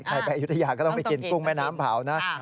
ใครไปอุทยาก็ต้องไปกินกุ้งแม่น้ำเผานะครับ